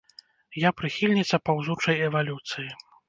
Я прыхільніца паўзучай эвалюцыі.